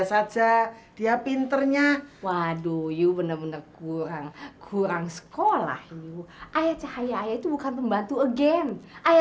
sampai jumpa di video selanjutnya